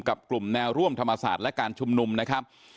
กับกลุ่มแนวร่วมธรรมศาสตร์และการชุมนุมนะครับ